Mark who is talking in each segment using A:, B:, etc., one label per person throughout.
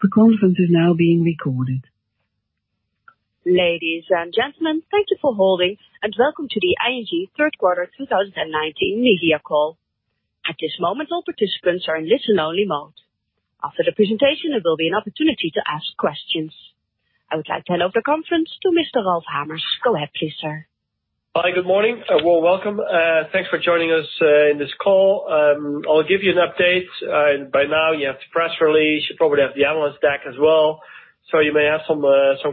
A: The conference is now being recorded. Ladies and gentlemen, thank you for holding, and welcome to the ING third quarter 2019 media call. At this moment, all participants are in listen-only mode. After the presentation, there will be an opportunity to ask questions. I would like to hand over the conference to Mr. Ralph Hamers. Go ahead, please, sir.
B: Hi. Good morning. Well, welcome. Thanks for joining us on this call. I'll give you an update. By now, you have the press release. You probably have the analyst deck as well. You may have some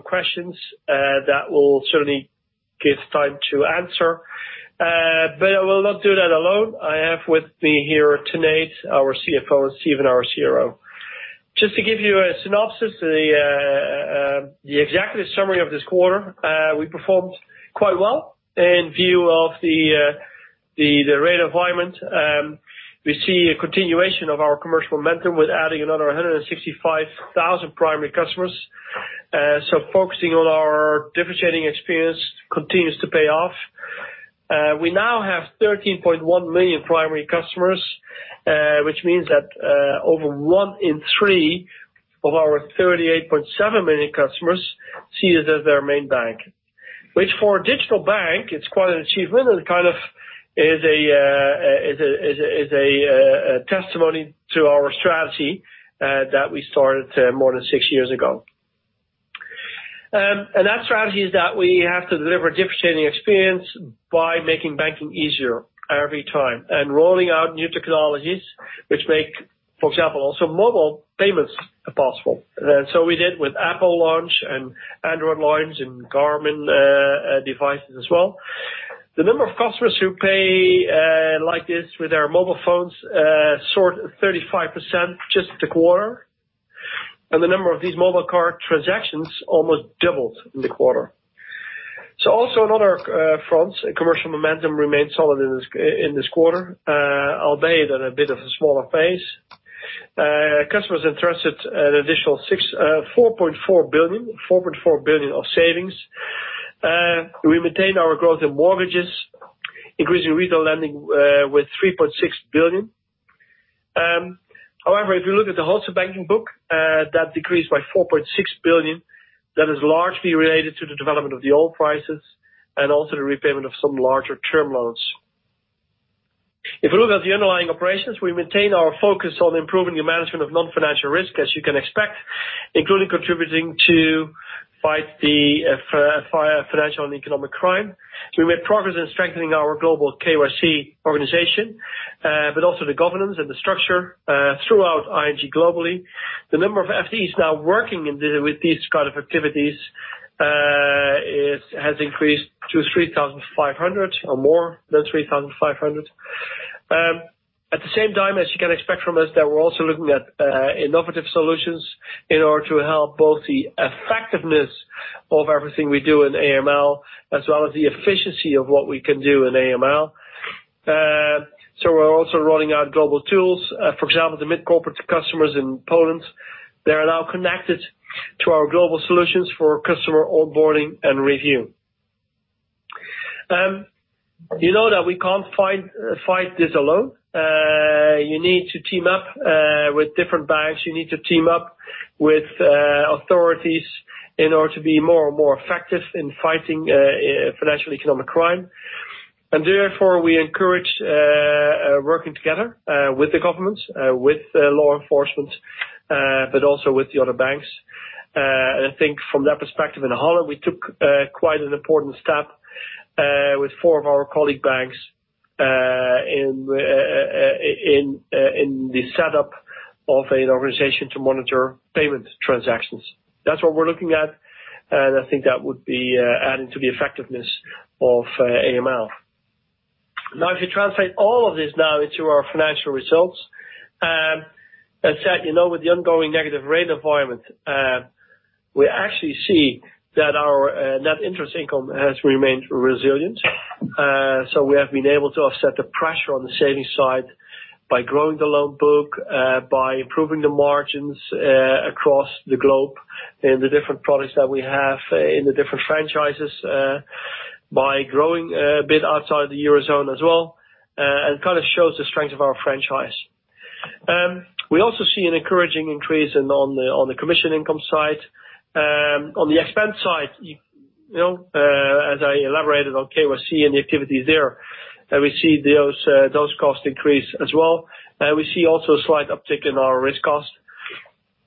B: questions. That we'll certainly give time to answer. I will not do that alone. I have with me here tonight our CFO, Steven, our CRO. Just to give you a synopsis, the executive summary of this quarter. We performed quite well in view of the rate environment. We see a continuation of our commercial momentum with adding another 165,000 primary customers. Focusing on our differentiating experience continues to pay off. We now have 13.1 million primary customers, which means that over one in three of our 38.7 million customers see us as their main bank. For a digital bank, it's quite an achievement and kind of is a testimony to our strategy that we started more than six years ago. That strategy is that we have to deliver a differentiating experience by making banking easier every time and rolling out new technologies which make, for example, also mobile payments possible. We did with Apple Watch and Android lines and Garmin devices as well. The number of customers who pay like this with their mobile phones soared 35% just in the quarter, and the number of these mobile card transactions almost doubled in the quarter. Also on other fronts, commercial momentum remained solid in this quarter, albeit at a bit of a smaller pace. Customers entrusted an additional 4.4 billion of savings. We maintain our growth in mortgages, increasing retail lending with 3.6 billion. If you look at the wholesale banking book, that decreased by 4.6 billion. That is largely related to the development of the oil prices and also the repayment of some larger-term loans. If we look at the underlying operations, we maintain our focus on improving the management of non-financial risk as you can expect, including contributing to fight the financial and economic crime. We made progress in strengthening our global KYC organization, but also the governance and the structure throughout ING globally. The number of FTEs now working with these kind of activities has increased to 3,500 or more than 3,500. At the same time, as you can expect from us, that we're also looking at innovative solutions in order to help both the effectiveness of everything we do in AML as well as the efficiency of what we can do in AML. We're also rolling out global tools. For example, the mid-corporate customers in Poland, they are now connected to our global solutions for customer onboarding and review. You know that we can't fight this alone. You need to team up with different banks. You need to team up with authorities in order to be more and more effective in fighting financial economic crime. Therefore, we encourage working together with the government, with law enforcement, but also with the other banks. I think from that perspective, in Holland, we took quite an important step with four of our colleague banks in the setup of an organization to monitor payment transactions. That's what we're looking at, and I think that would be adding to the effectiveness of AML. If you translate all of this now into our financial results, as said, with the ongoing negative rate environment we actually see that our net interest income has remained resilient. We have been able to offset the pressure on the savings side by growing the loan book, by improving the margins across the globe in the different products that we have in the different franchises, by growing a bit outside the eurozone as well, and shows the strength of our franchise. We also see an encouraging increase on the commission income side. On the expense side, as I elaborated on KYC and the activities there, we see those costs increase as well. We see also a slight uptick in our risk cost.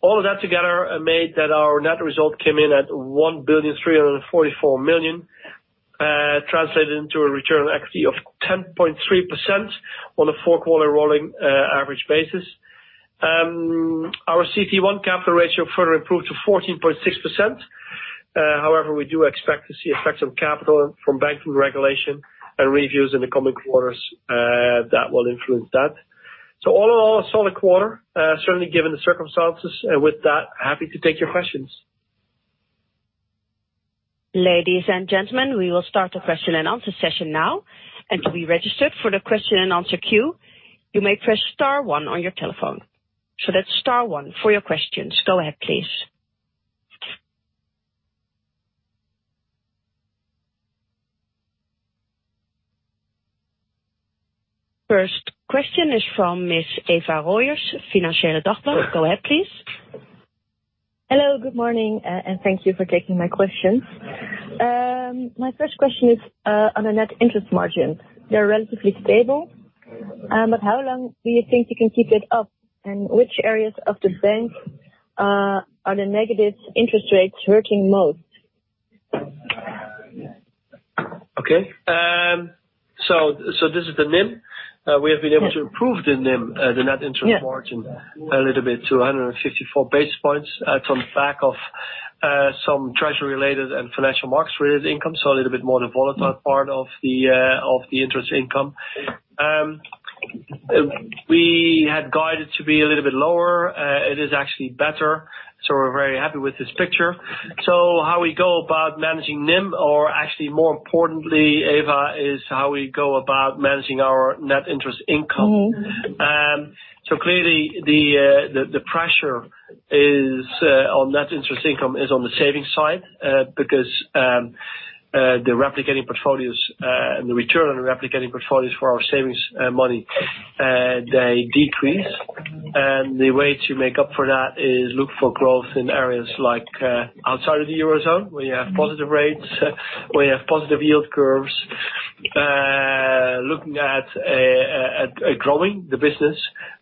B: All of that together made that our net result came in at 1 billion 344 million, translated into a return on equity of 10.3% on a four-quarter rolling average basis. Our CET1 capital ratio further improved to 14.6%. However, we do expect to see effects on capital from banking regulation and reviews in the coming quarters that will influence that. All in all, a solid quarter, certainly given the circumstances. With that, happy to take your questions.
A: Ladies and gentlemen, we will start the question and answer session now. To be registered for the question and answer queue, you may press star one on your telephone. That's star one for your questions. Go ahead, please. First question is from Miss Eva Rooijers, Financieele Dagblad. Go ahead, please.
C: Hello, good morning. Thank you for taking my questions. My first question is on the net interest margin. They're relatively stable. How long do you think you can keep it up? Which areas of the bank are the negative interest rates hurting most?
B: This is the NIM. We have been able to improve the NIM, the net interest margin, a little bit to 154 base points on the back of some treasury related and financial markets related income. A little bit more the volatile part of the interest income. We had guided to be a little bit lower. It is actually better, so we're very happy with this picture. How we go about managing NIM or actually more importantly, Eva, is how we go about managing our net interest income. Clearly the pressure on net interest income is on the savings side because the replicating portfolios and the return on replicating portfolios for our savings money, they decrease. The way to make up for that is look for growth in areas like outside of the Eurozone, where you have positive rates, where you have positive yield curves, looking at growing the business.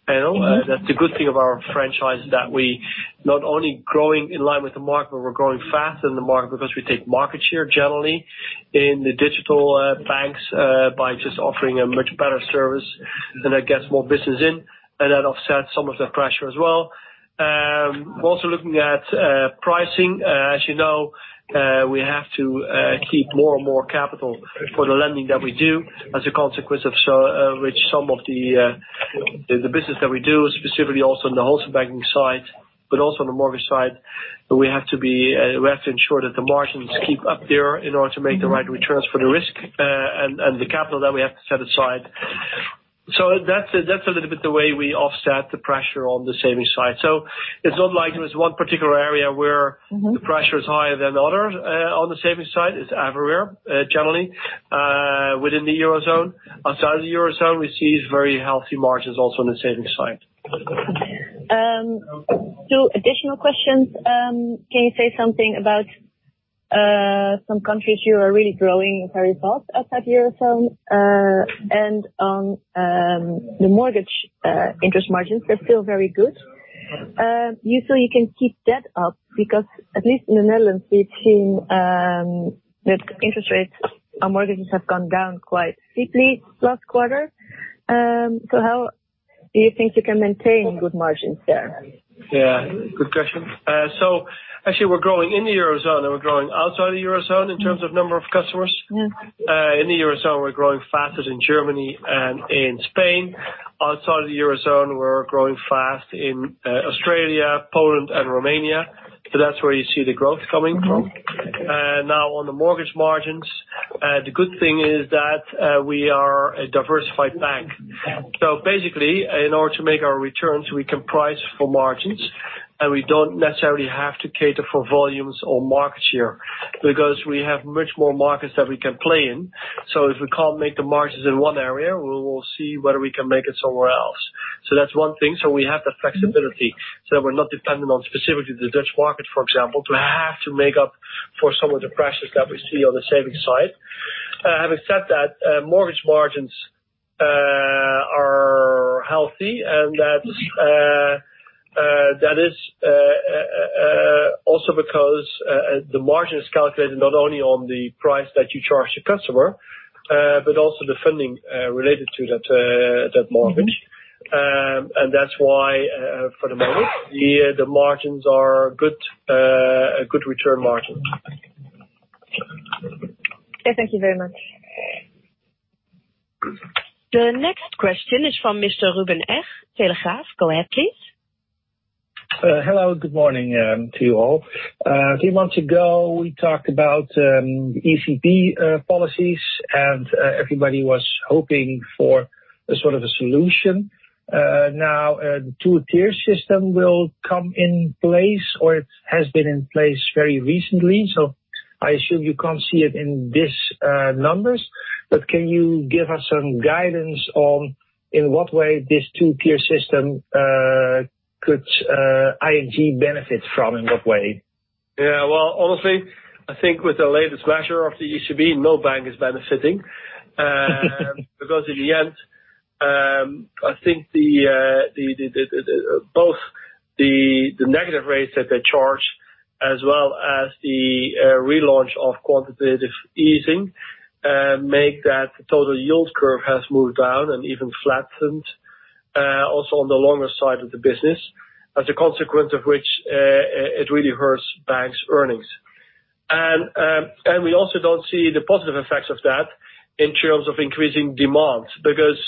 B: That's the good thing of our franchise, that we not only growing in line with the market, but we're growing faster than the market because we take market share generally in the digital banks by just offering a much better service and that gets more business in and that offsets some of the pressure as well. Also looking at pricing. As you know, we have to keep more and more capital for the lending that we do as a consequence of which some of the business that we do, specifically also in the wholesale banking side, but also on the mortgage side, we have to ensure that the margins keep up there in order to make the right returns for the risk and the capital that we have to set aside. That's a little bit the way we offset the pressure on the savings side. It's not like there's one particular area where the pressure is higher than the others on the savings side. It's everywhere, generally, within the Eurozone. Outside the Eurozone, we see very healthy margins also on the savings side.
C: Two additional questions. Can you say something about some countries you are really growing very fast outside the Eurozone. On the mortgage interest margins, they're still very good. You feel you can keep that up because at least in the Netherlands, we've seen net interest rates on mortgages have gone down quite steeply last quarter. How do you think you can maintain good margins there?
B: Yeah, good question. Actually we're growing in the Eurozone, and we're growing outside the Eurozone in terms of number of customers.
C: Yeah.
B: In the Eurozone, we're growing fastest in Germany and in Spain. Outside of the Eurozone, we're growing fast in Australia, Poland and Romania. That's where you see the growth coming from. Now on the mortgage margins, the good thing is that we are a diversified bank. Basically, in order to make our returns, we can price for margins, and we don't necessarily have to cater for volumes or market share because we have much more markets that we can play in. If we can't make the margins in one area, we will see whether we can make it somewhere else. That's one thing. We have the flexibility so that we're not dependent on specifically the Dutch market, for example, to have to make up for some of the pressures that we see on the savings side. Having said that, mortgage margins are healthy and that is also because the margin is calculated not only on the price that you charge the customer, but also the funding related to that mortgage. That's why for the moment, the margins are good return margins.
C: Okay, thank you very much.
A: The next question is from Mr. Ruben Eg, Telegraaf. Go ahead, please.
D: Hello, good morning to you all. A few months ago, we talked about ECB policies. Everybody was hoping for a sort of a solution. The 2-tier system will come in place or it has been in place very recently. I assume you can't see it in these numbers. Can you give us some guidance on in what way this 2-tier system could ING benefit from, in what way?
B: Yeah. Well, honestly, I think with the latest measure of the ECB, no bank is benefiting. In the end, I think both the negative rates that they charge as well as the relaunch of quantitative easing, make that the total yield curve has moved down and even flattened, also on the longer side of the business, as a consequence of which it really hurts banks' earnings. We also don't see the positive effects of that in terms of increasing demand because,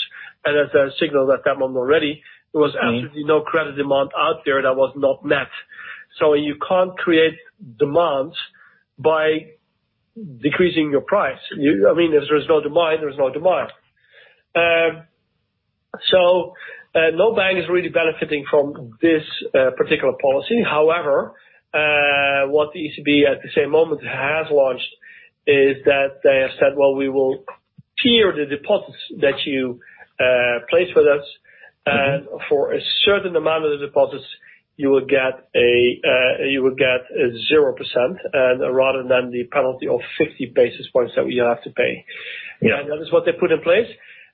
B: and as I signaled at that moment already, there was absolutely no credit demand out there that was not met. You can't create demand by decreasing your price. If there is no demand, there is no demand. No bank is really benefiting from this particular policy. However, what the ECB at the same moment has launched is that they have said, "Well, we will tier the deposits that you place with us. For a certain amount of the deposits, you will get 0%, and rather than the penalty of 50 basis points that you have to pay.
D: Yeah.
B: That is what they put in place.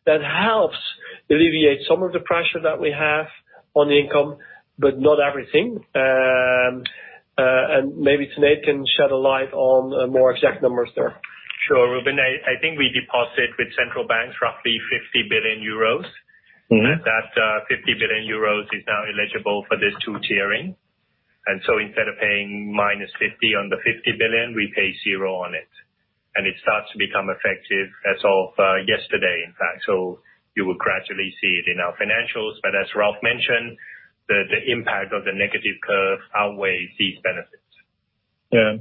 B: That helps alleviate some of the pressure that we have on the income, but not everything. Maybe [Sinade] can shed a light on more exact numbers there.
E: Sure. Ruben, I think we deposit with central banks roughly 50 billion euros. That 50 billion euros is now eligible for this 2 tiering. Instead of paying minus 50 on the 50 billion, we pay zero on it, and it starts to become effective as of yesterday, in fact. You will gradually see it in our financials. As Ralph mentioned, the impact of the negative curve outweighs these benefits.
D: Yeah.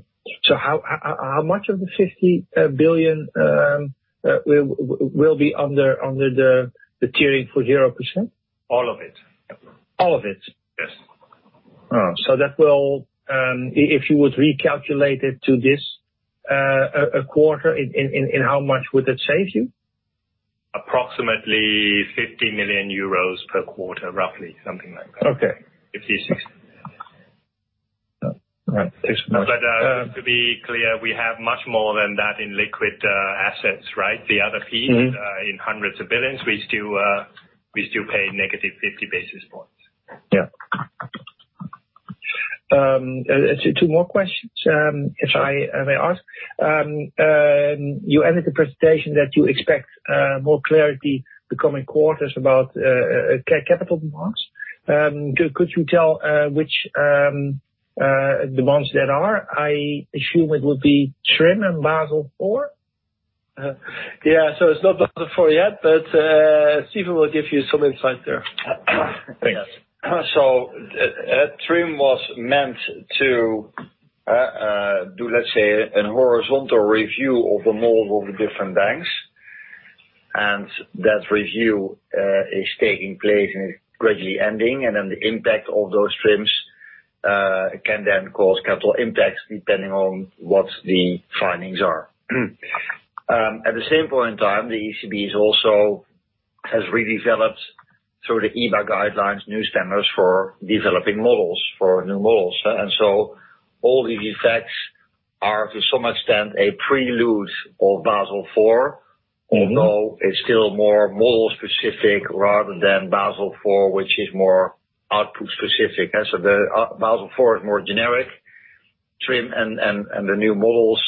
D: How much of the 50 billion will be under the tiering for 0%?
F: All of it.
D: All of it?
F: Yes.
D: If you would recalculate it to this quarter, in how much would that save you?
F: Approximately 50 million euros per quarter, roughly. Something like that.
D: Okay.
F: 50, 60.
D: All right. Thanks very much.
F: To be clear, we have much more than that in liquid assets, right? in hundreds of billions. We still pay negative 50 basis points.
D: Yeah. Two more questions, if I may ask. You ended the presentation that you expect more clarity the coming quarters about capital demands. Could you tell which demands there are? I assume it would be TRIM and Basel IV?
B: Yeah. It's not Basel IV yet, but Steven will give you some insight there.
F: Thanks. TRIM was meant to do, let's say, a horizontal review of the model of the different banks, and that review is taking place and is gradually ending, and then the impact of those TRIMs can then cause capital impacts depending on what the findings are. At the same point in time, the ECB also has redeveloped, through the EBA guidelines, new standards for developing models, for new models. All these effects are, to some extent, a prelude of Basel IV. Even though it's still more model specific rather than Basel IV, which is more output specific. The Basel IV is more generic. TRIM and the new models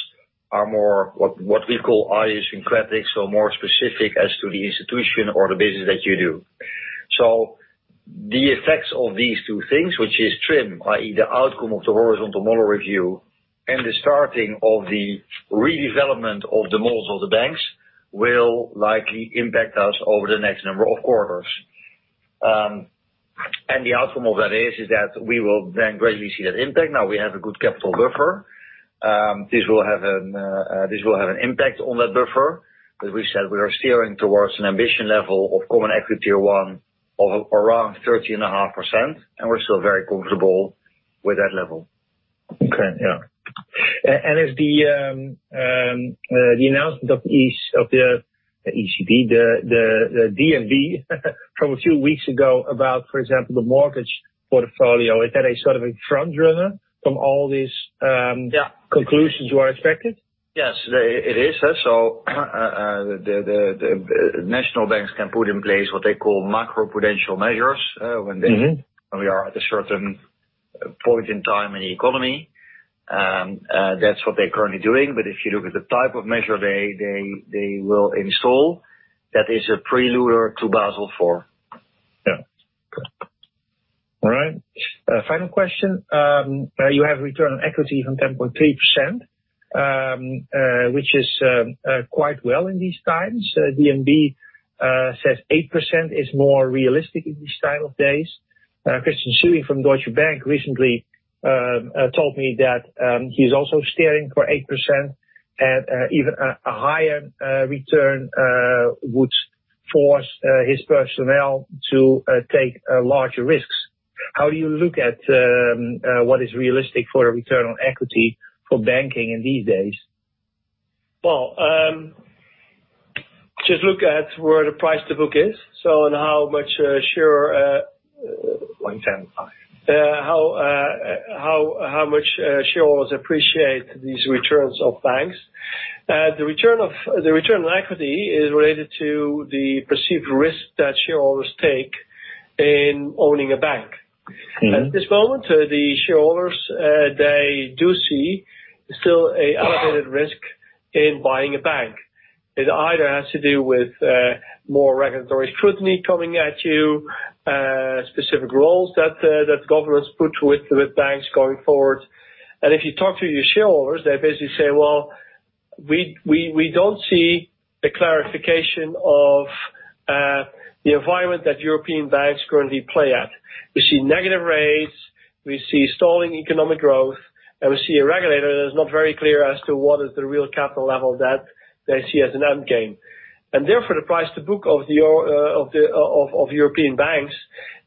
F: are more what we call idiosyncratic, so more specific as to the institution or the business that you do. The effects of these two things, which is TRIM, i.e., the outcome of the horizontal model review and the starting of the redevelopment of the models of the banks, will likely impact us over the next number of quarters. The outcome of that is that we will then gradually see that impact. Now we have a good capital buffer. This will have an impact on that buffer. As we said, we are steering towards an ambition level of common equity of one of around 30.5%, and we're still very comfortable with that level.
D: Okay. Yeah. Is the announcement of the ECB, the DNB from a few weeks ago about, for example, the mortgage portfolio, is that a sort of a front runner from all these?
B: Yeah
D: conclusions you are expecting?
B: Yes, it is. The national banks can put in place what they call macro-prudential measures. When we are at a certain point in time in the economy. That's what they're currently doing. If you look at the type of measure they will install, that is a prelude to Basel IV.
D: Yeah. Okay. All right. Final question. You have return on equity from 10.3%, which is quite well in these times. DNB says 8% is more realistic in these type of days. Christian Sewing from Deutsche Bank recently told me that he's also steering for 8%, even a higher return would force his personnel to take larger risks. How do you look at what is realistic for a return on equity for banking in these days?
B: Well, just look at where the price to book is, so on how much share-
D: 110, five.
B: How much shareholders appreciate these returns of banks. The return on equity is related to the perceived risk that shareholders take in owning a bank. At this moment, the shareholders, they do see still a elevated risk in buying a bank. It either has to do with more regulatory scrutiny coming at you, specific roles that governments put with banks going forward. If you talk to your shareholders, they basically say, "Well, we don't see the clarification of the environment that European banks currently play at. We see negative rates. We see stalling economic growth, and we see a regulator that is not very clear as to what is the real capital level that they see as an end game. Therefore, the price to book of European banks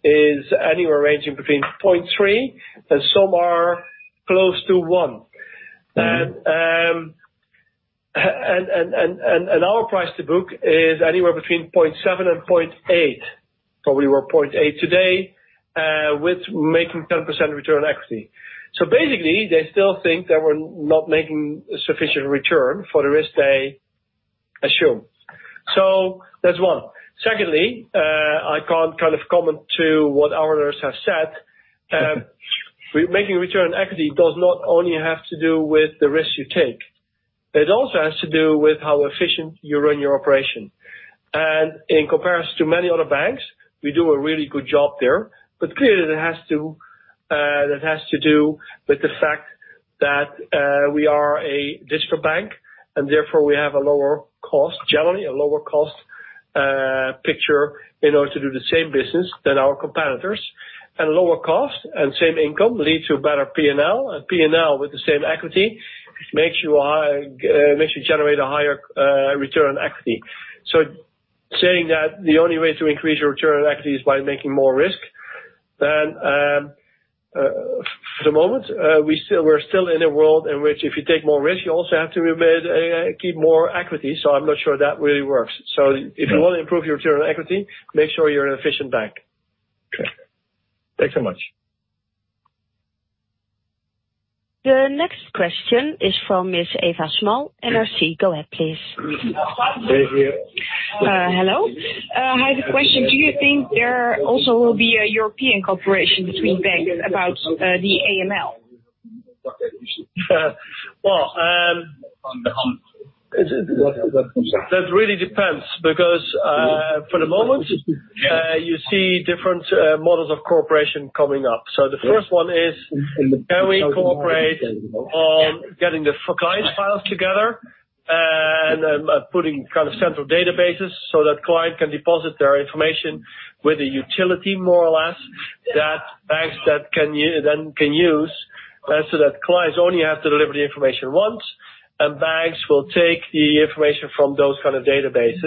B: is anywhere ranging between 0.3, and some are close to one. Our price to book is anywhere between 0.7 and 0.8. We were 0.8 today, with making 10% return on equity. Basically, they still think that we're not making a sufficient return for the risk they assume. That's one. Secondly, I can't comment to what others have said. Making return on equity does not only have to do with the risk you take. It also has to do with how efficient you run your operation. In comparison to many other banks, we do a really good job there. Clearly, that has to do with the fact that we are a digital bank, and therefore we have a lower cost, generally, a lower cost picture in order to do the same business than our competitors. Lower cost and same income lead to a better P&L, and P&L with the same equity makes you generate a higher return on equity. Saying that the only way to increase your return on equity is by making more risk, then for the moment, we're still in a world in which if you take more risk, you also have to keep more equity. I'm not sure that really works. If you want to improve your return on equity, make sure you're an efficient bank.
D: Okay. Thanks so much.
A: The next question is from Ms. Eva Schmal, NRC. Go ahead, please.
G: Stay here.
H: Hello. I have a question. Do you think there also will be a European cooperation between banks about the AML?
B: Well, that really depends, because for the moment, you see different models of cooperation coming up. The first one is, can we cooperate on getting the client files together and putting central databases so that client can deposit their information with a utility, more or less, that banks then can use, and so that clients only have to deliver the information once. Banks will take the information from those kind of databases.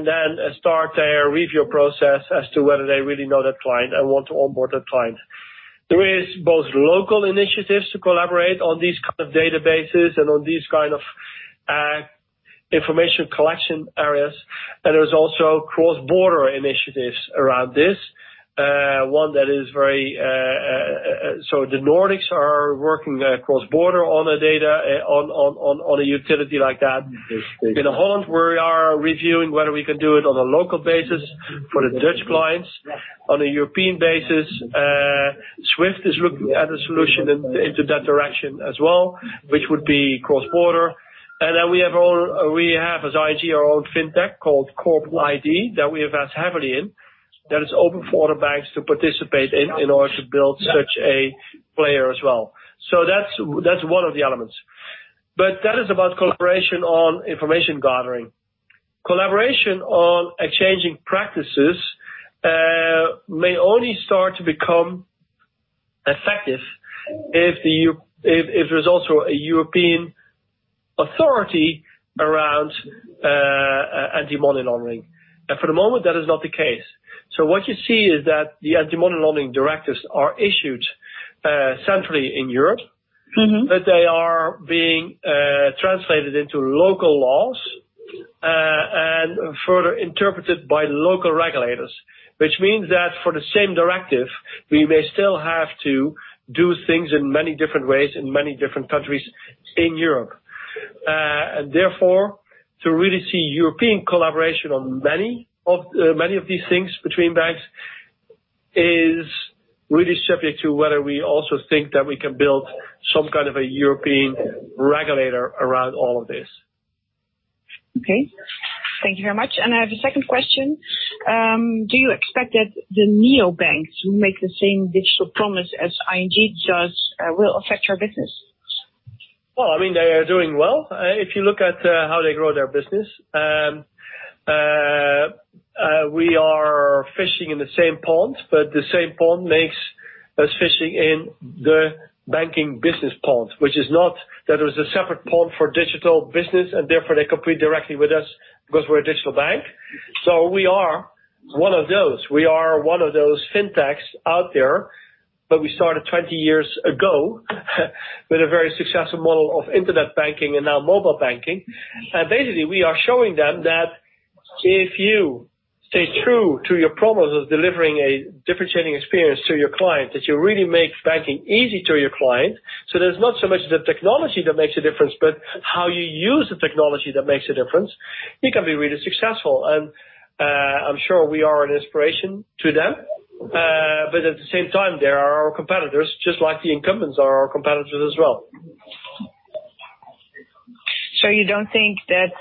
B: Then start their review process as to whether they really know that client and want to onboard that client. There is both local initiatives to collaborate on these kind of databases and on these kind of information collection areas. There is also cross-border initiatives around this. The Nordics are working cross-border on a utility like that. In Holland, we are reviewing whether we can do it on a local basis for the Dutch clients. On a European basis, SWIFT is looking at a solution into that direction as well, which would be cross-border. We have, as ING, our own fintech called CoorpID, that we invest heavily in, that is open for other banks to participate in order to build such a player as well. That's one of the elements. That is about collaboration on information gathering. Collaboration on exchanging practices may only start to become effective if there's also a European authority around anti-money laundering. For the moment, that is not the case. What you see is that the anti-money laundering directives are issued centrally in Europe. They are being translated into local laws, and further interpreted by local regulators, which means that for the same directive, we may still have to do things in many different ways in many different countries in Europe. Therefore, to really see European collaboration on many of these things between banks is really subject to whether we also think that we can build some kind of a European regulator around all of this.
H: Okay. Thank you very much. I have a second question. Do you expect that the neobanks who make the same digital promise as ING does will affect your business?
B: Well, they are doing well, if you look at how they grow their business. We are fishing in the same pond, but the same pond makes us fishing in the banking business pond, which is not that there's a separate pond for digital business, and therefore they compete directly with us because we're a digital bank. We are one of those. We are one of those fintechs out there, we started 20 years ago with a very successful model of internet banking and now mobile banking. Basically, we are showing them that if you stay true to your promise of delivering a differentiating experience to your client, that you really make banking easy to your client, so there's not so much the technology that makes a difference, but how you use the technology that makes a difference, you can be really successful. I'm sure we are an inspiration to them. At the same time, they are our competitors, just like the incumbents are our competitors as well.
H: You don't think that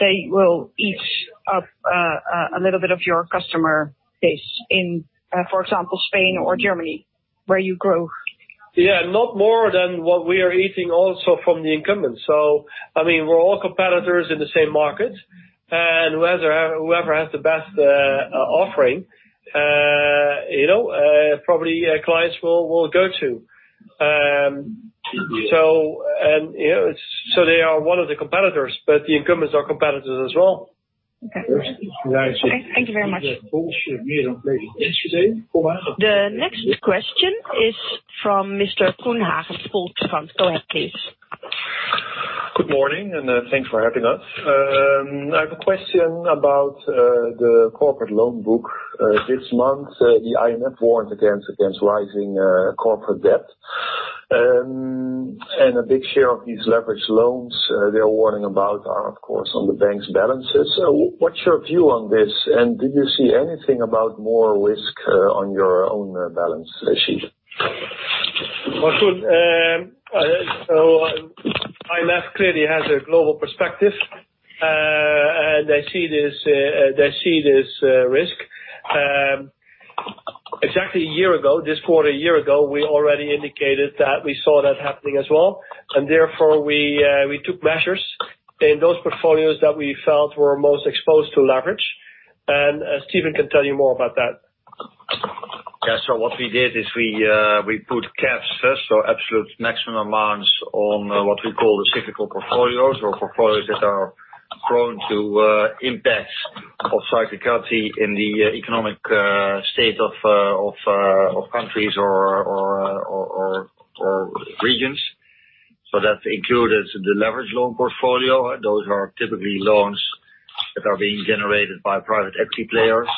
H: they will eat up a little bit of your customer base in, for example, Spain or Germany, where you grow?
B: Not more than what we are eating also from the incumbents. We're all competitors in the same market, and whoever has the best offering, probably clients will go to. They are one of the competitors, but the incumbents are competitors as well.
H: Okay. Thank you very much.
A: The next question is from Mr. Koen Haegens, Volkskrant.
I: Good morning, thanks for having us. I have a question about the corporate loan book. This month, the IMF warned against rising corporate debt. A big share of these leverage loans they're warning about are, of course, on the bank's balances. What's your view on this, and did you see anything about more risk on your own balance sheet?
B: Well, Koen. IMF clearly has a global perspective, and they see this risk. Exactly one year ago, this quarter one year ago, we already indicated that we saw that happening as well, and therefore we took measures in those portfolios that we felt were most exposed to leverage. Steven can tell you more about that. Yeah. What we did is we put caps first or absolute maximum amounts on what we call the cyclical portfolios or portfolios that are prone to impacts of cyclicity in the economic state of countries or regions. That included the leverage loan portfolio. Those are typically loans that are being generated by private equity players.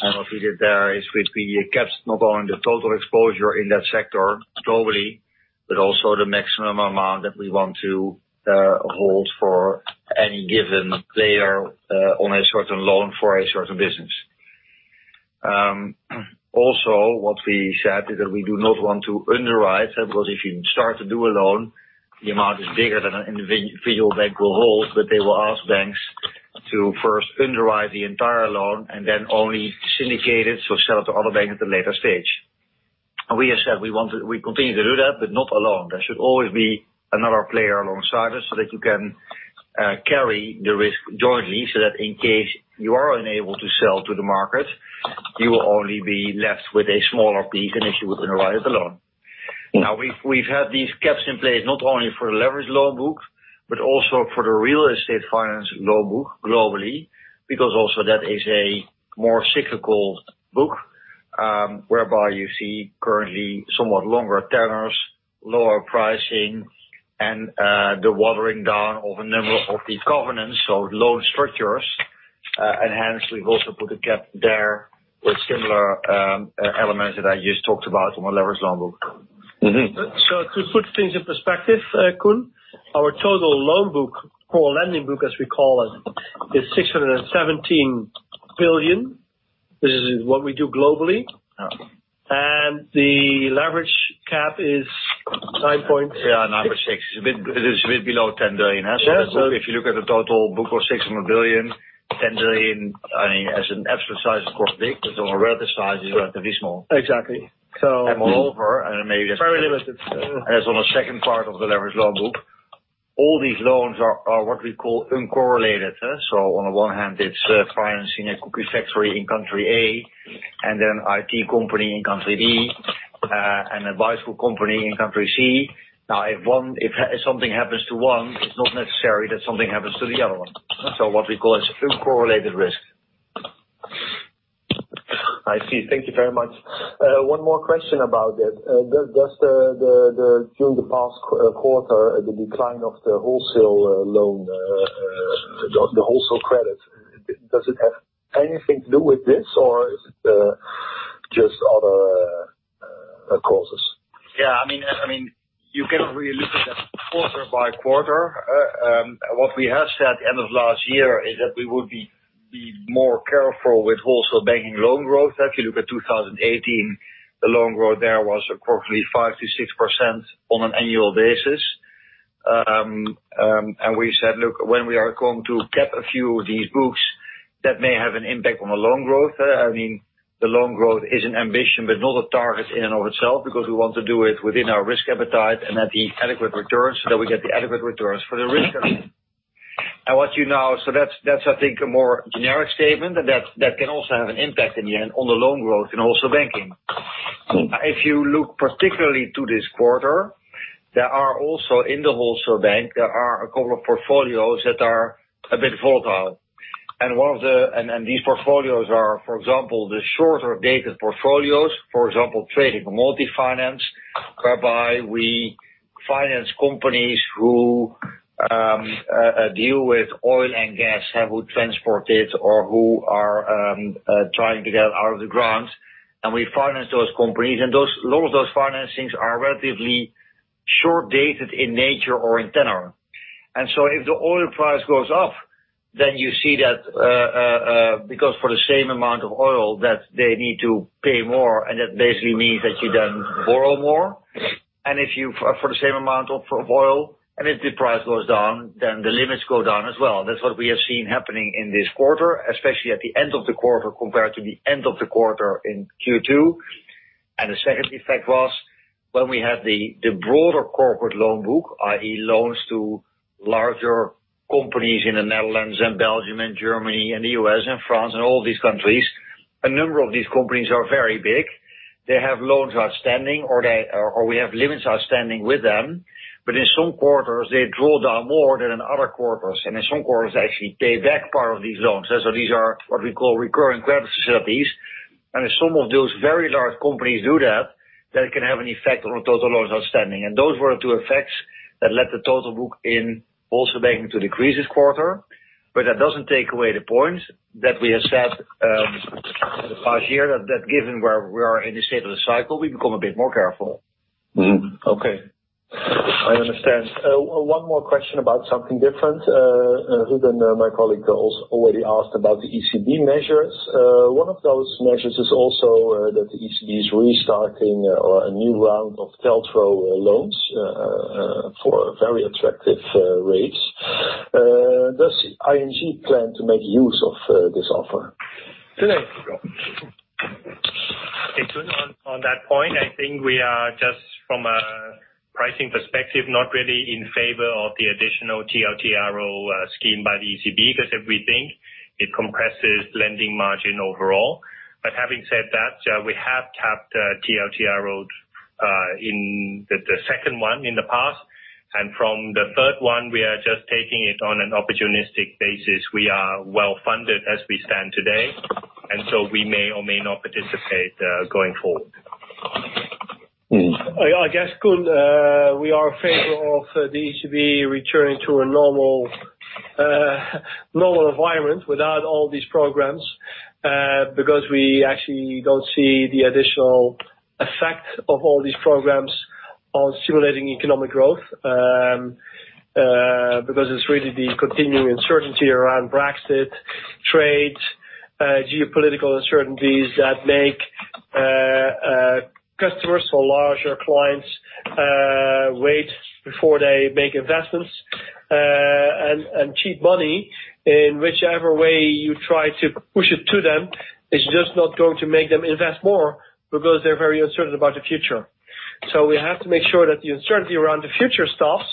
B: What we did there is we capped not only the total exposure in that sector globally, but also the maximum amount that we want to hold for any given player on a certain loan for a certain business. What we said is that we do not want to underwrite, because if you start to do a loan, the amount is bigger than an individual bank will hold, but they will ask banks to first underwrite the entire loan and then only syndicate it, so sell it to other banks at a later stage. We have said we continue to do that, but not alone. There should always be another player alongside us so that you can carry the risk jointly, so that in case you are unable to sell to the market, you will only be left with a smaller piece than if you would underwrite it alone. We've had these caps in place not only for the leverage loan book, but also for the real estate finance loan book globally, because also that is a more cyclical book, whereby you see currently somewhat longer tenors, lower pricing, and the watering down of a number of these covenants or loan structures. Hence we've also put a cap there with similar elements that I just talked about on the leverage loan book. To put things in perspective, Koen, our total loan book or lending book, as we call it, is 617 billion. This is what we do globally.
I: Yeah.
B: The leverage cap is 9.6. It is a bit below 10 billion. Yes. If you look at the total book of 600 billion, 10 billion as an absolute size, of course, big, but on a relative size is relatively small. Exactly. Moreover, maybe that's very limited. As on the second part of the leverage loan book, all these loans are what we call uncorrelated. On the one hand, it's financing a cookie factory in country A, and then IT company in country B, an advisor company in country C. Now, if something happens to one, it's not necessary that something happens to the other one. What we call is uncorrelated risk.
I: I see. Thank you very much. One more question about it. During the past quarter, the decline of the wholesale credit, does it have anything to do with this, or is it just other causes?
B: Yeah. You can really look at that quarter by quarter. What we have said end of last year is that we would be more careful with wholesale banking loan growth. If you look at 2018, the loan growth there was approximately 5%-6% on an annual basis. We said, "Look, when we are going to cap a few of these books, that may have an impact on the loan growth." The loan growth is an ambition, but not a target in and of itself, because we want to do it within our risk appetite and at the adequate return so that we get the adequate returns for the risk appetite. That's, I think, a more generic statement that can also have an impact in the end on the loan growth in wholesale banking. If you look particularly to this quarter, in the wholesale bank, there are a couple of portfolios that are a bit volatile. These portfolios are, for example, the shorter dated portfolios, for example, trading multi-finance, whereby we finance companies who deal with oil and gas, have it transported or who are trying to get it out of the ground, and we finance those companies. Those financings are relatively short dated in nature or in tenor. If the oil price goes up, then you see that because for the same amount of oil that they need to pay more, and that basically means that you then borrow more. If for the same amount of oil, and if the price goes down, then the limits go down as well. That's what we have seen happening in this quarter, especially at the end of the quarter compared to the end of the quarter in Q2. The second effect was when we had the broader corporate loan book, i.e., loans to larger companies in the Netherlands and Belgium and Germany and the U.S. and France and all these countries. A number of these companies are very big. They have loans outstanding, or we have limits outstanding with them, but in some quarters, they draw down more than in other quarters, and in some quarters, actually pay back part of these loans. These are what we call recurring credit facilities. If some of those very large companies do that can have an effect on total loans outstanding. Those were the two effects that led the total book in also banking to decrease this quarter. That doesn't take away the point that we have said the past year, that given where we are in the state of the cycle, we become a bit more careful.
I: Okay. I understand. One more question about something different. Ruben, my colleague, also already asked about the ECB measures. One of those measures is also that the ECB is restarting or a new round of TLTRO loans for very attractive rates. Does ING plan to make use of this offer?
F: Hey, Koen. On that point, I think we are just from a pricing perspective, not really in favor of the additional TLTRO scheme by the ECB, because if we think it compresses lending margin overall. Having said that, we have capped TLTROs in the second one in the past, and from the third one, we are just taking it on an opportunistic basis. We are well-funded as we stand today, we may or may not participate going forward.
B: I guess, Koen, we are in favor of the ECB returning to a normal environment without all these programs, because we actually don't see the additional effect of all these programs on stimulating economic growth, because it's really the continuing uncertainty around Brexit, trade, geopolitical uncertainties that make customers or larger clients wait before they make investments, and cheap money in whichever way you try to push it to them, is just not going to make them invest more because they're very uncertain about the future. We have to make sure that the uncertainty around the future stops,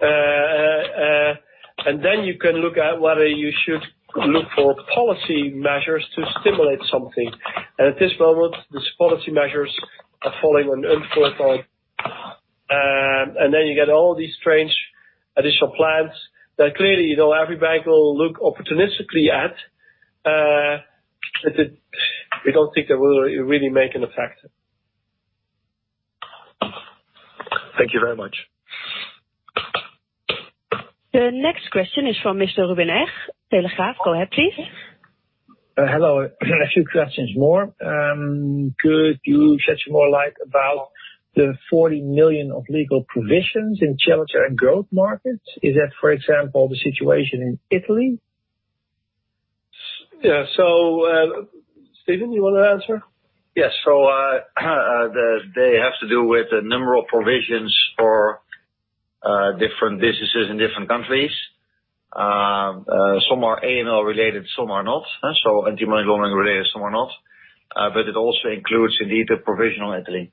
B: then you can look at whether you should look for policy measures to stimulate something. At this moment, these policy measures are falling on infertile. Then you get all these strange additional plans that clearly, every bank will look opportunistically at. We don't think that will really make an effect.
I: Thank you very much.
A: The next question is from Mr. Ruben Eg, Telegraaf. Go ahead, please.
D: Hello. A few questions more. Could you shed some more light about the 40 million of legal provisions in challenger and growth markets? Is that, for example, the situation in Italy?
B: Yeah. Steven, you want to answer?
F: Yes. They have to do with the number of provisions for different businesses in different countries. Some are AML related, some are not. Anti-money laundering related, some are not. It also includes indeed, the provision on Italy.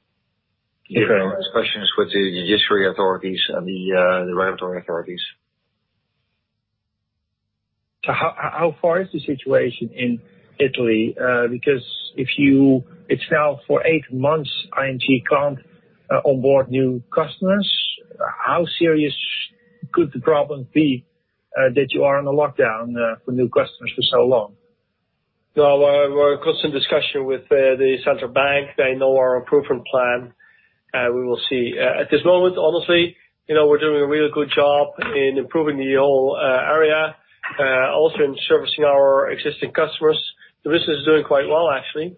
D: Okay.
I: Questions with the judiciary authorities and the regulatory authorities.
D: How far is the situation in Italy? Because if you itself for eight months, ING can't onboard new customers, how serious could the problem be that you are on a lockdown for new customers for so long?
B: We're in constant discussion with the Central Bank. They know our improvement plan. We will see. At this moment, honestly, we're doing a really good job in improving the whole area, also in servicing our existing customers. The business is doing quite well, actually.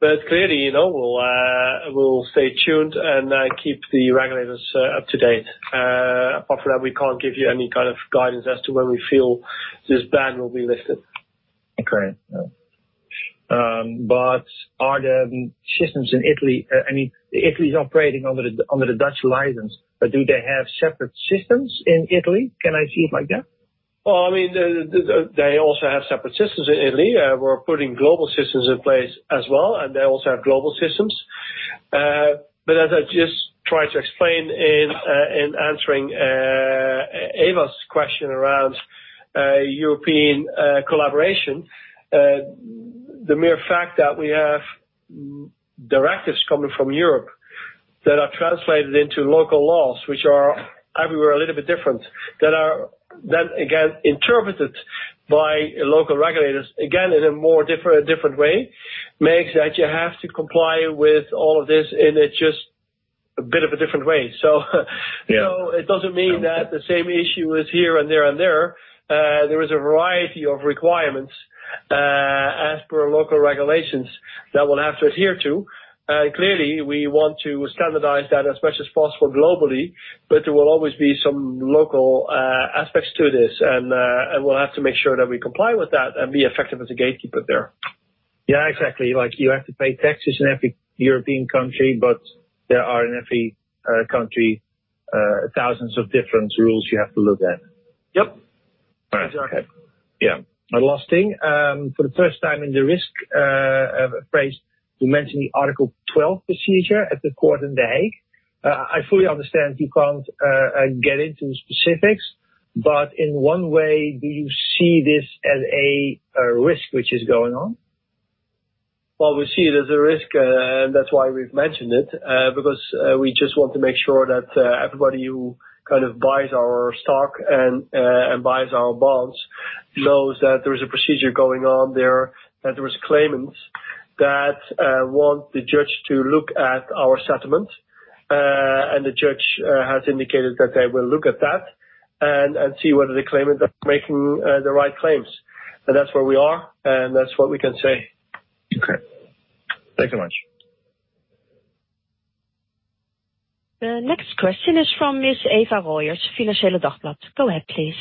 B: Clearly, we'll stay tuned and keep the regulators up to date. Apart from that, we can't give you any kind of guidance as to when we feel this ban will be lifted.
D: Okay. Are there systems in Italy? I mean, Italy is operating under the Dutch license, but do they have separate systems in Italy? Can I see it like that?
B: Well, they also have separate systems in Italy. We're putting global systems in place as well, and they also have global systems. As I just tried to explain in answering Eva's question around European collaboration, the mere fact that we have directives coming from Europe that are translated into local laws, which are everywhere a little bit different, that are then again interpreted by local regulators, again, in a more different way, makes that you have to comply with all of this, and it's just a bit of a different way. It doesn't mean that the same issue is here and there and there. There is a variety of requirements as per local regulations that we'll have to adhere to. We want to standardize that as much as possible globally, but there will always be some local aspects to this, and we'll have to make sure that we comply with that and be effective as a gatekeeper there.
D: Yeah, exactly. Like you have to pay taxes in every European country, but there are in every country thousands of different rules you have to look at.
B: Yep.
D: Right. Okay.
B: Yeah.
D: Last thing, for the first time in the risk phrase, you mentioned the Article 12 procedure at the court in The Hague. I fully understand you can't get into specifics, but in one way, do you see this as a risk which is going on?
B: Well, we see it as a risk, and that's why we've mentioned it, because we just want to make sure that everybody who buys our stock and buys our bonds knows that there is a procedure going on there, that there is claimants that want the judge to look at our settlement, and the judge has indicated that they will look at that and see whether the claimants are making the right claims. That's where we are, and that's what we can say.
D: Okay. Thanks so much.
A: The next question is from Miss Eva Rooijers, Financieele Dagblad. Go ahead, please.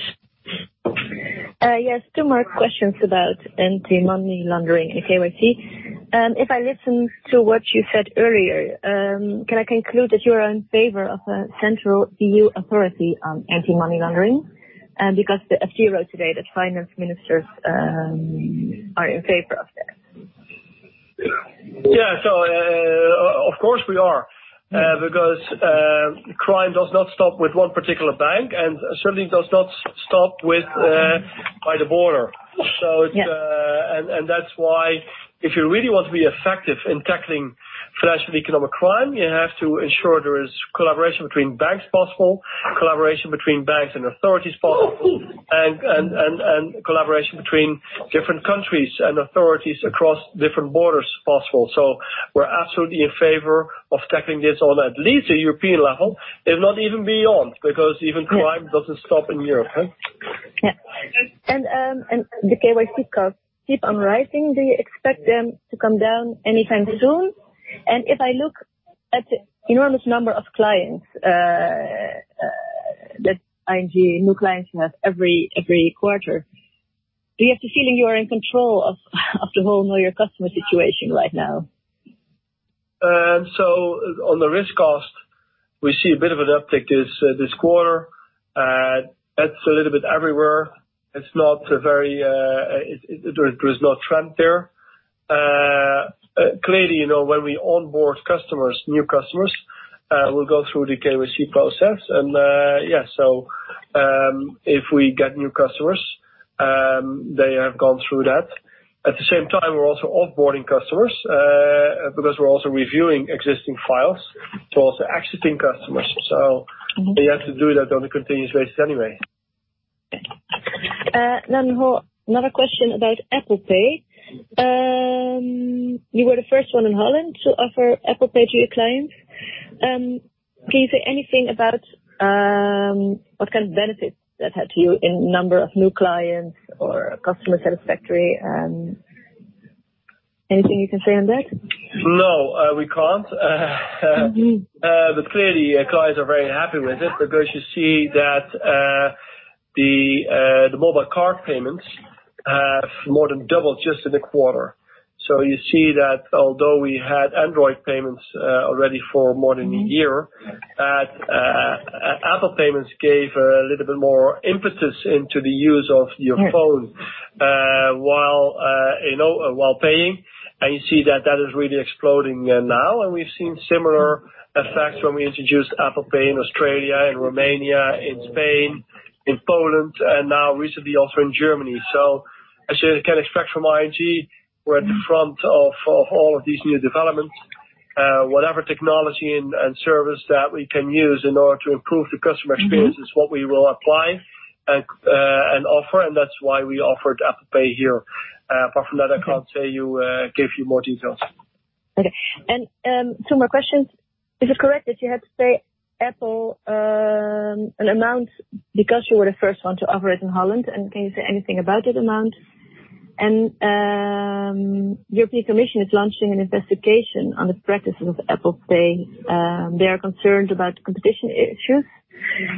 C: Yes. Two more questions about anti-money laundering and KYC. If I listen to what you said earlier, can I conclude that you are in favor of a central EU authority on anti-money laundering? The FD wrote today that finance ministers are in favor of that.
B: Yeah. Of course, we are. Crime does not stop with one particular bank and certainly does not stop by the border.
C: Yeah.
B: That's why if you really want to be effective in tackling financial economic crime, you have to ensure there is collaboration between banks possible, collaboration between banks and authorities possible, and collaboration between different countries and authorities across different borders possible. We're absolutely in favor of tackling this on at least a European level, if not even beyond, because even crime doesn't stop in Europe, right?
C: Yeah. The KYC costs keep on rising. Do you expect them to come down anytime soon? If I look at the enormous number of clients that ING new clients have every quarter, do you have the feeling you are in control of the whole know your customer situation right now?
B: On the risk cost, we see a bit of an uptick this quarter. That's a little bit everywhere. There is no trend there. Clearly, when we onboard new customers, we'll go through the KYC process. Yeah, if we get new customers, they have gone through that. At the same time, we're also off-boarding customers, because we're also reviewing existing files to also exiting customers. You have to do that on a continuous basis anyway.
C: Thank you. Another question about Apple Pay. You were the first one in Holland to offer Apple Pay to your clients. Can you say anything about what kind of benefits that had to you in number of new clients or customer satisfaction? Anything you can say on that?
B: No, we can't. Clearly, clients are very happy with it because you see that the mobile card payments have more than doubled just in a quarter. You see that although we had Android payments already for more than a year, Apple payments gave a little bit more emphasis into the use of your phone while paying, and you see that that is really exploding now. We've seen similar effects when we introduced Apple Pay in Australia, in Romania, in Spain, in Poland, and now recently also in Germany. As you can expect from ING, we're at the front of all of these new developments. Whatever technology and service that we can use in order to improve the customer experience is what we will apply and offer, and that's why we offered Apple Pay here. Apart from that, I can't give you more details.
C: Okay. Two more questions. Is it correct that you had to pay Apple an amount because you were the first one to offer it in Holland, and can you say anything about that amount? European Commission is launching an investigation on the practices of Apple Pay. They are concerned about competition issues.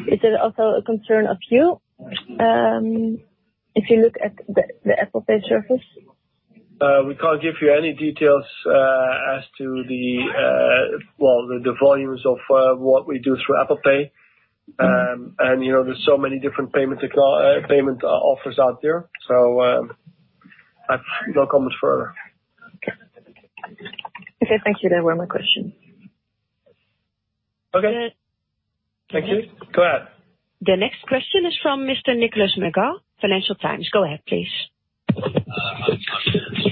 C: Is it also a concern of you, if you look at the Apple Pay service?
B: We can't give you any details as to the, well, the volumes of what we do through Apple Pay. There's so many different payment offers out there, so I've no comments further.
C: Okay. Thank you. They were my question.
B: Okay. Thank you. Go ahead.
A: The next question is from Mr. Nicholas Megaw, Financial Times. Go ahead, please.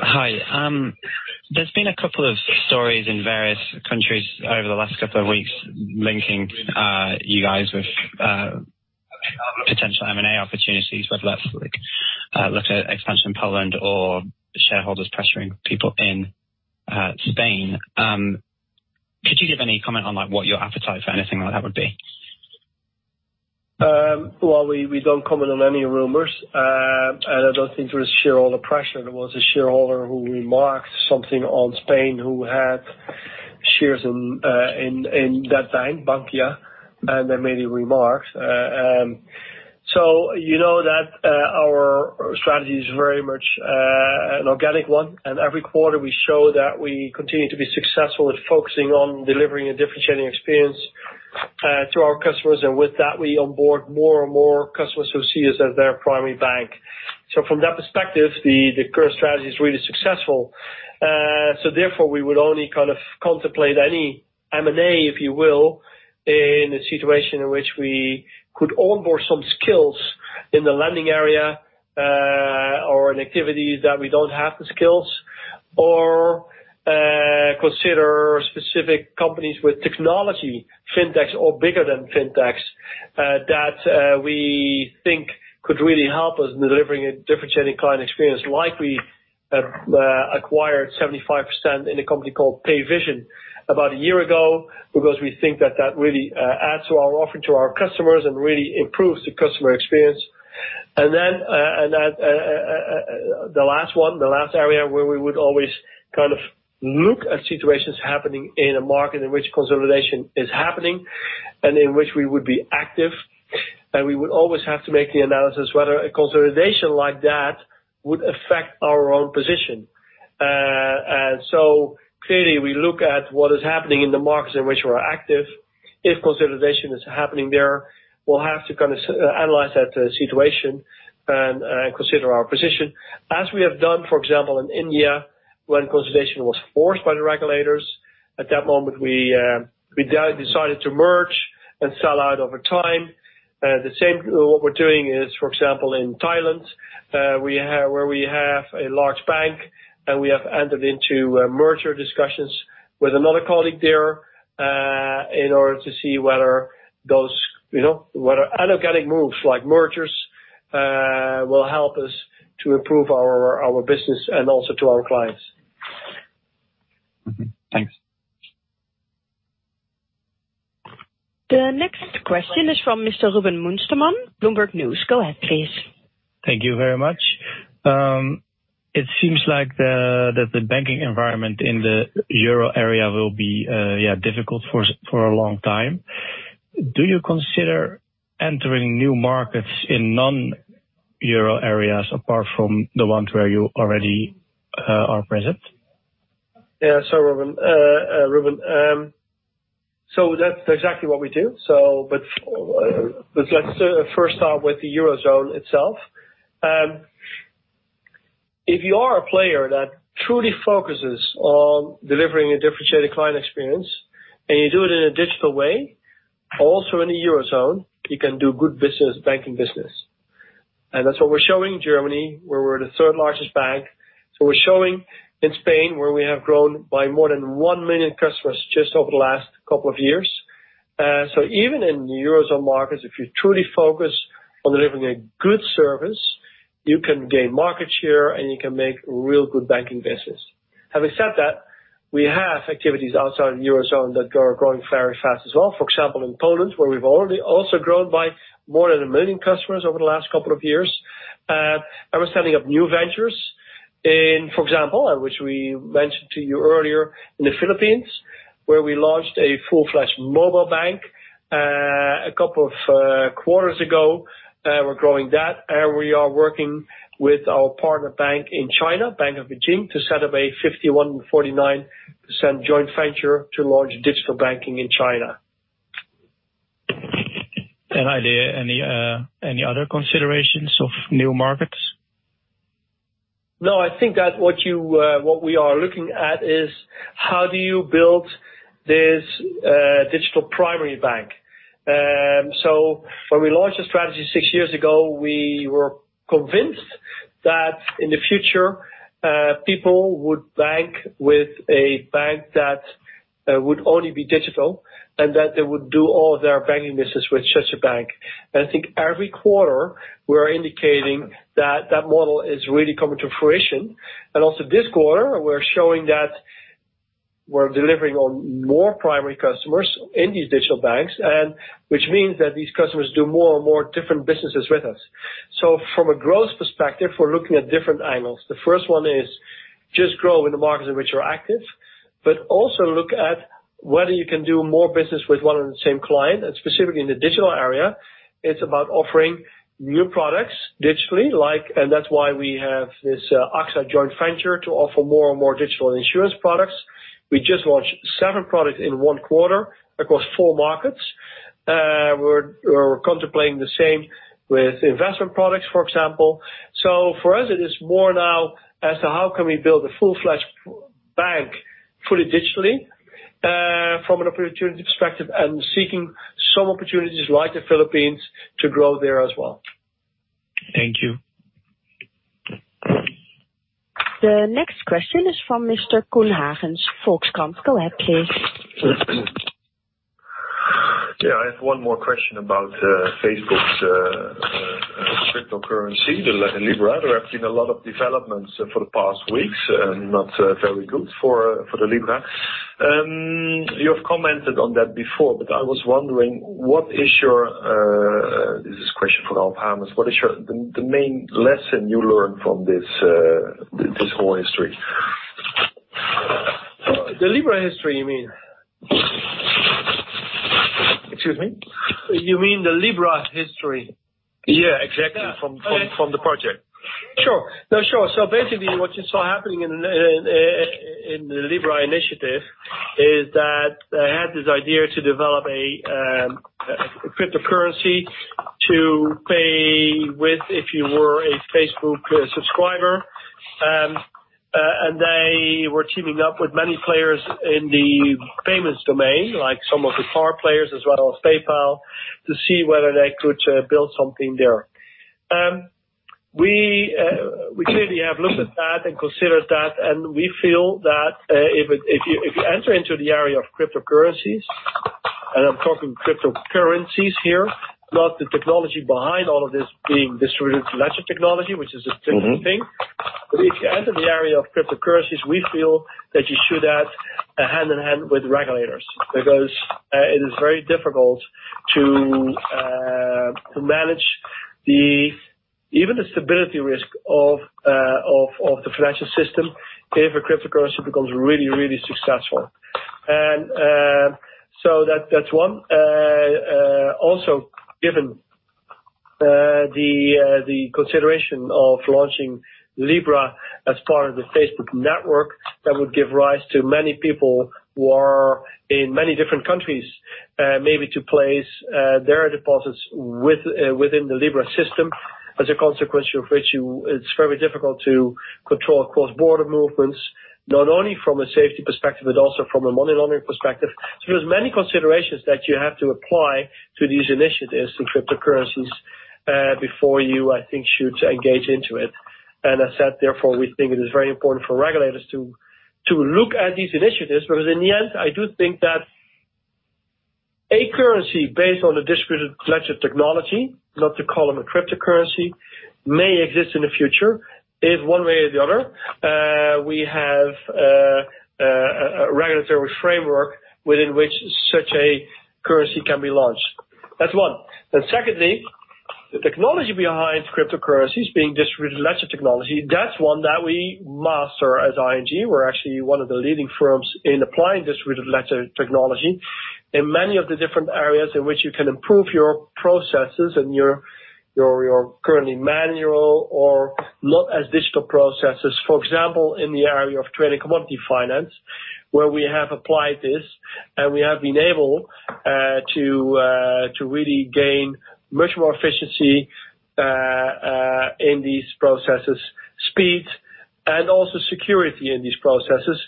J: Hi. There's been a couple of stories in various countries over the last couple of weeks linking you guys with potential M&A opportunities, whether that's look at expansion in Poland or shareholders pressuring people in Spain. Could you give any comment on what your appetite for anything like that would be?
B: Well, we don't comment on any rumors. I don't think there is shareholder pressure. There was a shareholder who remarked something on Spain, who had shares in, at that time, Bankia, and they made a remark. You know that our strategy is very much an organic one, and every quarter we show that we continue to be successful with focusing on delivering a differentiating experience to our customers, and with that, we onboard more and more customers who see us as their primary bank. From that perspective, the current strategy is really successful. Therefore, we would only contemplate any M&A, if you will, in a situation in which we could onboard some skills in the lending area, or in activities that we don't have the skills, or consider specific companies with technology, fintechs or bigger than fintechs, that we think could really help us in delivering a differentiating client experience. Like we acquired 75% in a company called Payvision about a year ago, because we think that that really adds to our offering to our customers and really improves the customer experience. The last one, the last area where we would always look at situations happening in a market in which consolidation is happening, and in which we would be active, and we would always have to make the analysis whether a consolidation like that would affect our own position. Clearly, we look at what is happening in the markets in which we're active. If consolidation is happening there, we'll have to analyze that situation and consider our position. As we have done, for example, in India, when consolidation was forced by the regulators. At that moment, we decided to merge and sell out over time. The same, what we're doing is, for example, in Thailand, where we have a large bank, and we have entered into merger discussions with another colleague there, in order to see whether inorganic moves like mergers, will help us to improve our business and also to our clients.
J: Mm-hmm. Thanks.
A: The next question is from Mr. Ruben Munsterman, Bloomberg News. Go ahead, please.
K: Thank you very much. It seems like the banking environment in the Euro area will be difficult for a long time. Do you consider entering new markets in non-Euro areas apart from the ones where you already are present?
B: Yeah. Ruben, that's exactly what we do. Let's first start with the Eurozone itself. If you are a player that truly focuses on delivering a differentiated client experience, and you do it in a digital way, also in the Eurozone, you can do good banking business. That's what we're showing Germany, where we're the third largest bank. We're showing in Spain, where we have grown by more than 1 million customers just over the last couple of years. Even in the Eurozone markets, if you truly focus on delivering a good service, you can gain market share, and you can make real good banking business. Having said that, we have activities outside the Eurozone that are growing very fast as well. For example, in Poland, where we've already also grown by more than 1 million customers over the last couple of years. We're setting up new ventures in, for example, and which we mentioned to you earlier, in the Philippines, where we launched a full-fledged mobile bank, a couple of quarters ago. We're growing that, we are working with our partner bank in China, Bank of Beijing, to set up a 51 and 49% joint venture to launch digital banking in China.
K: Any idea, any other considerations of new markets?
B: No, I think that what we are looking at is how do you build this digital primary bank? When we launched the strategy six years ago, we were convinced that in the future, people would bank with a bank that would only be digital, and that they would do all their banking business with such a bank. I think every quarter, we're indicating that that model is really coming to fruition. Also this quarter, we're showing that we're delivering on more primary customers in these digital banks, which means that these customers do more and more different businesses with us. From a growth perspective, we're looking at different angles. The first one is just grow in the markets in which we're active, but also look at whether you can do more business with one and the same client, and specifically in the digital area, it's about offering new products digitally, and that's why we have this AXA joint venture to offer more and more digital insurance products. We just launched seven products in one quarter across four markets. We're contemplating the same with investment products, for example. For us, it is more now as to how can we build a full-fledged bank fully digitally, from an opportunity perspective, and seeking some opportunities like the Philippines to grow there as well.
K: Thank you.
A: The next question is from Mr. Koen Haegens, Volkskrant. Go ahead, please.
I: I have one more question about Facebook's cryptocurrency, the Libra. There have been a lot of developments for the past weeks, not very good for the Libra. You've commented on that before, but I was wondering, this is a question for Ralph Hamers, what is the main lesson you learned from this whole history?
B: The Libra history, you mean?
I: Excuse me?
B: You mean the Libra history?
I: Yeah, exactly. From the project.
B: Sure. What you saw happening in the Libra initiative is that they had this idea to develop a cryptocurrency to pay with if you were a Facebook subscriber. They were teaming up with many players in the payments domain, like some of the card players as well as PayPal, to see whether they could build something there. We clearly have looked at that and considered that, and we feel that if you enter into the area of cryptocurrencies, and I'm talking cryptocurrencies here, not the technology behind all of this being distributed ledger technology, which is a different thing. If you enter the area of cryptocurrencies, we feel that you should add a hand in hand with regulators, because it is very difficult to manage even the stability risk of the financial system if a cryptocurrency becomes really successful. That's one. Given the consideration of launching Libra as part of the Facebook network, that would give rise to many people who are in many different countries, maybe to place their deposits within the Libra system as a consequence of which it is very difficult to control cross-border movements, not only from a safety perspective, but also from a money laundering perspective. There are many considerations that you have to apply to these initiatives in cryptocurrencies, before you, I think, should engage into it. Therefore, we think it is very important for regulators to look at these initiatives, because in the end, I do think that a currency based on a distributed ledger technology, not to call them a cryptocurrency, may exist in the future if one way or the other, we have a regulatory framework within which such a currency can be launched. That is one. Secondly, the technology behind cryptocurrencies being distributed ledger technology, that's one that we master as ING. We're actually one of the leading firms in applying distributed ledger technology in many of the different areas in which you can improve your processes and your currently manual or not as digital processes. For example, in the area of trading commodity finance, where we have applied this, and we have been able to really gain much more efficiency in these processes, speed and also security in these processes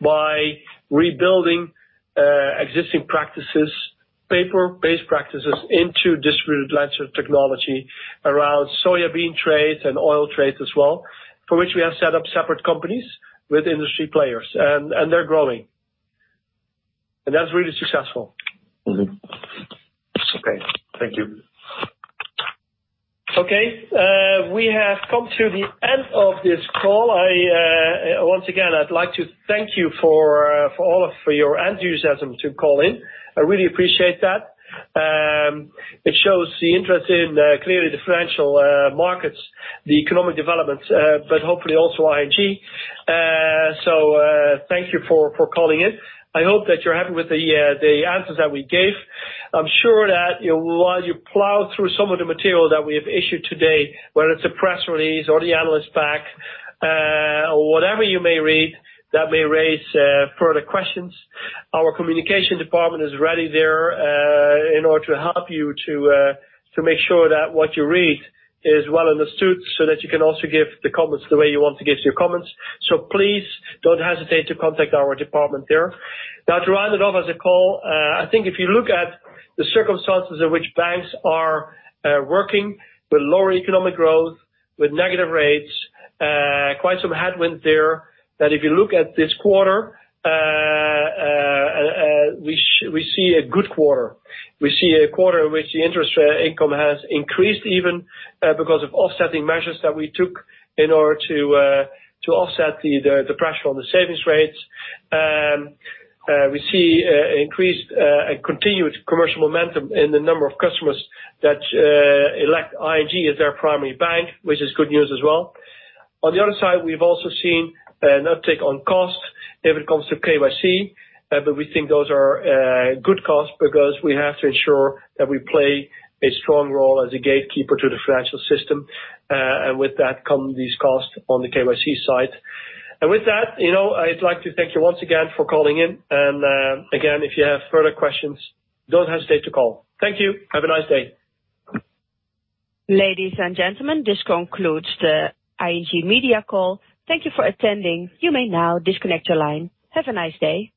B: by rebuilding existing practices, paper-based practices into distributed ledger technology around soybean trades and oil trades as well, for which we have set up separate companies with industry players. They're growing. That's really successful.
I: Mm-hmm. Okay. Thank you.
B: Okay. We have come to the end of this call. Once again, I'd like to thank you for your enthusiasm to call in. I really appreciate that. It shows the interest in clearly the financial markets, the economic developments, but hopefully also ING. Thank you for calling in. I hope that you're happy with the answers that we gave. I'm sure that while you plow through some of the material that we have issued today, whether it's a press release or the analyst pack, or whatever you may read, that may raise further questions. Our communication department is ready there, in order to help you to make sure that what you read is well understood so that you can also give the comments the way you want to give your comments. Please don't hesitate to contact our department there. To round it off as a call, I think if you look at the circumstances in which banks are working with lower economic growth, with negative rates, quite some headwind there, that if you look at this quarter, we see a good quarter. We see a quarter in which the interest income has increased even, because of offsetting measures that we took in order to offset the pressure on the savings rates. We see increased and continued commercial momentum in the number of customers that elect ING as their primary bank, which is good news as well. On the other side, we've also seen an uptick on costs if it comes to KYC, we think those are good costs because we have to ensure that we play a strong role as a gatekeeper to the financial system. With that come these costs on the KYC side. With that, I'd like to thank you once again for calling in. Again, if you have further questions, don't hesitate to call. Thank you. Have a nice day.
A: Ladies and gentlemen, this concludes the ING media call. Thank you for attending. You may now disconnect your line. Have a nice day.